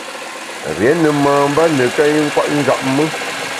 Rié ne mamba neka i nkwet njap me.